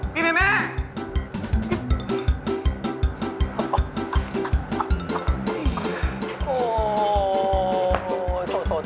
พี่เม่ม่า